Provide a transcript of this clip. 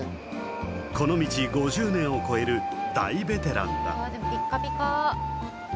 この道５０年を超える大ベテランだ